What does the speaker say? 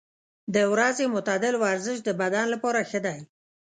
د ورځې معتدل ورزش د بدن لپاره ښه دی.